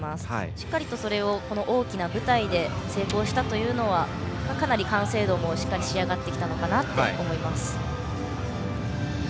しっかり、それをこの大きな舞台で成功したというのはかなり完成度もしっかり仕上がってきたのかなと思います。